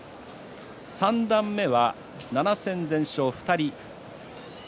三段目は７戦全勝が２人です。